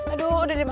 aduh udah deh ma